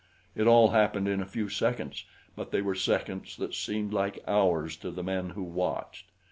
It all happened in a few seconds; but they were seconds that seemed like hours to the men who watched.